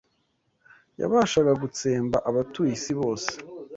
Yabashaga gutsemba abatuye isi bose